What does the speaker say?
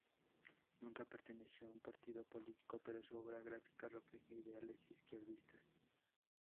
Nunca perteneció a un partido político, pero su obra gráfica refleja ideales izquierdistas.